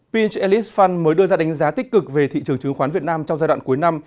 pinch elite fund mới đưa ra đánh giá tích cực về thị trường chứng khoán việt nam trong giai đoạn cuối năm